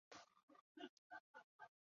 希农堡人口变化图示